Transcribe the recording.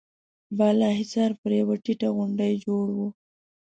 بالا حصار پر يوه ټيټه غونډۍ جوړ و.